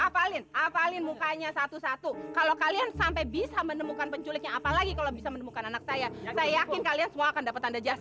hafalin apalin mukanya satu satu kalau kalian sampai bisa menemukan penculiknya apalagi kalau bisa menemukan anak saya saya yakin kalian semua akan dapat tanda jasa